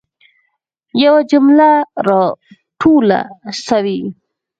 یوه جمله را توله سوي.